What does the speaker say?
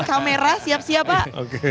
kamera siap siap pak